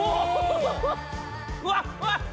うわっ！